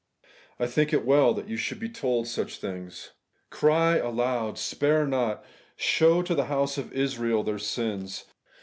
I think it is weU that you should be told such things. Cry aloud, spare not ; show to the house of Israel their sins.